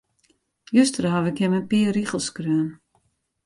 Juster haw ik him in pear rigels skreaun.